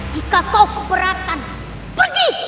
jika kau keberatan pergi